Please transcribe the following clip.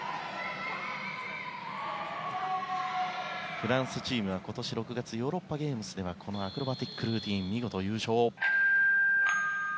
フランスチームは今年６月ヨーロッパゲームスではアクロバティックルーティン見事優勝。